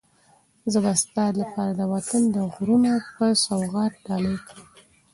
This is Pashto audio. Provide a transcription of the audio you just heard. زه به ستا لپاره د وطن د غرونو یو سوغات ډالۍ کړم.